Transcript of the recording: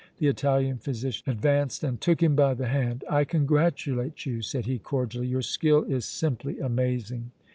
The Italian physician advanced and took him by the hand. "I congratulate you," said he, cordially. "Your skill is simply amazing!"